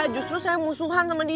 justru saya musuhan sama dia